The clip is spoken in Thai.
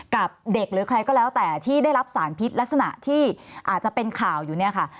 กับเด็กหรือใครก็แล้วแต่ที่ได้รับสารพิษลักษณะที่อาจจะเป็นข่าวอยู่เนี่ยค่ะ